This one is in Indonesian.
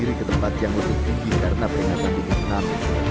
dan menuju ke tempat yang lebih tinggi karena peringatan di tempat tenang